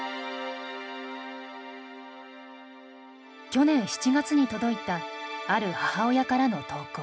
去年７月に届いたある母親からの投稿。